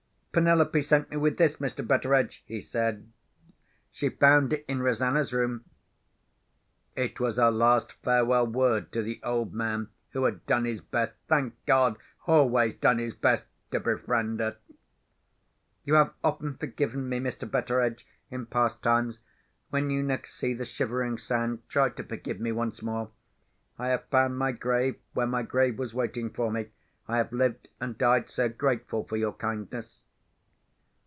"Penelope sent me with this, Mr. Betteredge," he said. "She found it in Rosanna's room." It was her last farewell word to the old man who had done his best—thank God, always done his best—to befriend her. "You have often forgiven me, Mr. Betteredge, in past times. When you next see the Shivering Sand, try to forgive me once more. I have found my grave where my grave was waiting for me. I have lived, and died, sir, grateful for your kindness."